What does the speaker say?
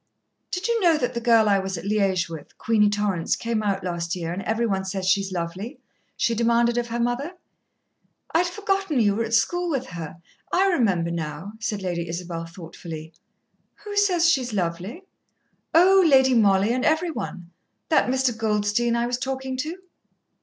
"Did you know that the girl I was at Liège with, Queenie Torrance, came out last year, and every one says she's lovely?" she demanded of her mother. "I'd forgotten you were at school with her. I remember now," said Lady Isabel thoughtfully. "Who says she is lovely?" "Oh, Lady Mollie and every one. That Mr. Goldstein I was talking to."